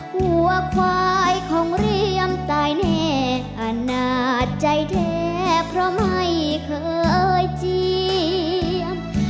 หัวควายของเรียมตายแน่อาณาจใจแท้เพราะไม่เคยเจียบ